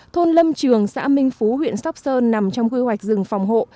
thôn lâm trường xã minh phú huyện sóc sơn nằm trong quy hoạch rừng phòng hộ